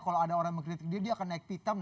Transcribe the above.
kalau ada orang mengkritik dia dia akan naik pitam